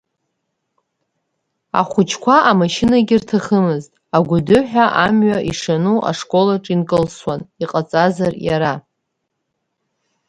Ахәыҷқәа амашьынагьы рҭахымызт, агәыдыҳәа амҩа ишану ашколаҿ инкылсуан, иҟаҵазар иара…